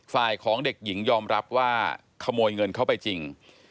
ฝ่ายของเด็กหญิงยอมรับว่าขโมยเงินเข้าไปจริง